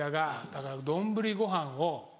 だから丼ご飯を。